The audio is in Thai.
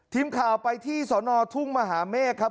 ทีมข่าวไปที่สนทุ่งมหาเมฆครับ